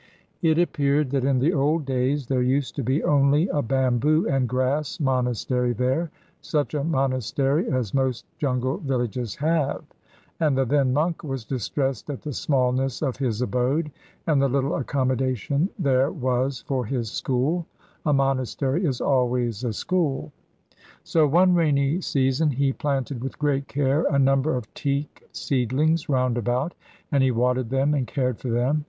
It appeared that in the old days there used to be only a bamboo and grass monastery there, such a monastery as most jungle villages have; and the then monk was distressed at the smallness of his abode and the little accommodation there was for his school a monastery is always a school. So one rainy season he planted with great care a number of teak seedlings round about, and he watered them and cared for them.